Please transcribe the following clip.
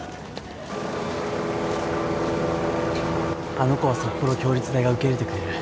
あの子は札幌共立大が受け入れてくれる。